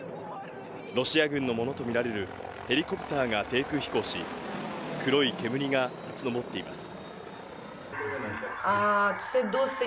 ロシア軍のものと見られるヘリコプターが低空飛行し、黒い煙が立ち上っています。